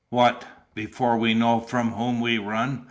"What, before we know from whom we run!"